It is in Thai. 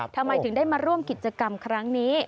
ทำไมถึงได้มาร่วมกิจกรรมครั้งนี้